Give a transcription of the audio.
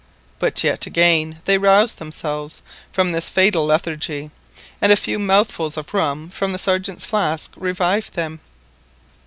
But yet again they roused themselves from this fatal lethargy, and a few mouthfuls of rum from the Sergeant's flask revived them.